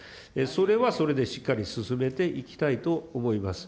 それはそれでしっかり進めていきたいと思います。